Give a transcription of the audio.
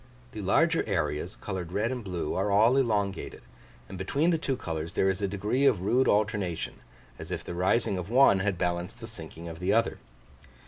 The larger areas, coloured red and blue, are all elongated; and between the two colours there is a degree of rude alternation, as if the rising of one had balanced the sinking of the other.